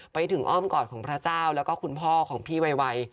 ไปถึงอ้อมกอดของพระเจ้าแล้วก็คุณพ่อของพี่ไว